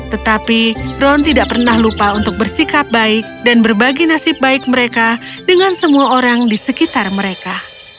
tetapi ron tidak pernah lupa untuk bersikap baik dan berbagi nasib baik mereka dengan semua orang di sekitar mereka